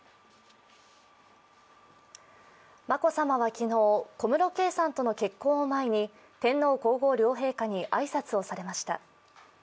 眞子さまは昨日、小室圭さんとの結婚を前に天皇・皇后両陛下に挨拶をされました。